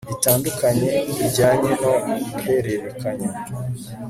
bitandukanye bijyanye no guhererekanya